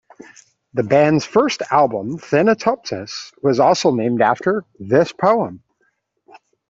The band's first album, "Thanatopsis", was also named after this poem.